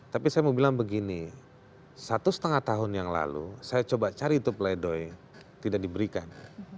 tapi saya mau bilang begini satu setengah tahun yang lalu saya coba cari itu pleidoy tidak diberikan